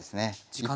時間。